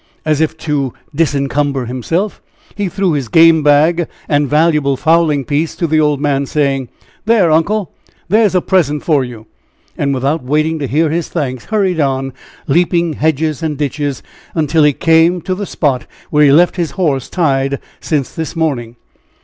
As if to disencumber himself, he threw his game bag and valuable fowling piece to the old man, saying: "There, uncle; there's a present for you," and without waiting to hear his thanks, hurried on, leaping hedges and ditches, until he came to the spot where he had left his horse tied since the morning.